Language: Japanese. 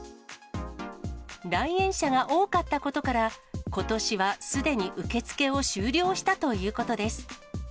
来園者が多かったことから、ことしは、すでに受け付けを終了したということです。